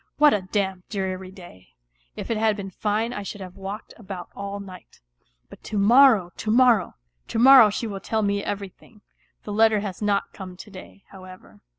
What a damp, dreary day ! If it had been fine I should have walked about all niirht. ... But to morrow, to morrow ! To im>rrmv she will tell me < thing. The letter has not come to day, however.